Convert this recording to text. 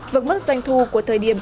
vượt mức doanh thu của thời điểm